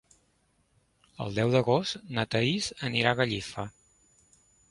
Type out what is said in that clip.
El deu d'agost na Thaís irà a Gallifa.